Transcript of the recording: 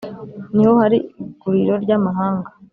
Ni ho hari iguriro ry amahanga